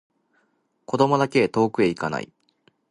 子供だけで遠くへいかない